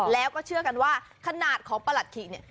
แล้วก็เชื่อกันว่าขนาดของประหลัดขิเนี่ย